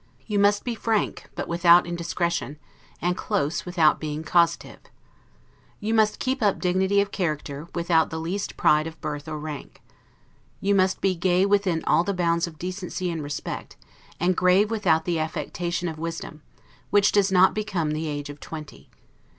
You must be frank, but without indiscretion; and close, without being costive. You must keep up dignity of character, without the least pride of birth or rank. You must be gay within all the bounds of decency and respect; and grave without the affectation of wisdom, which does not become the age of twenty.